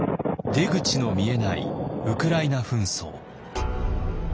出口の見えないウクライナ紛争。